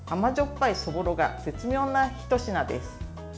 ぱいそぼろが絶妙なひと品です。